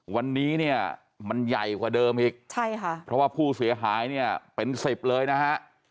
วันนี้มันใหญ่กว่าเดิมอีกเพราะว่าผู้เสียหายเป็น๑๐เลยนะฮะ